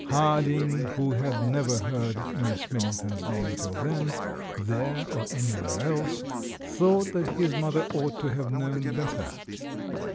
Harding, who had never heard Miss Milling ton's name till then, there or anywhere else, thought that his mother ought to have known better.